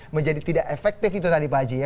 menjadi tidak efektif itu tadi pak haji ya